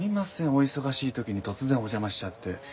お忙しい時に突然お邪魔しちゃって。